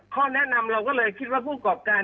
ข้อแนะนำเราก็เลยคิดว่าผู้กรอบการ